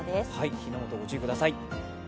火の元ご注意ください。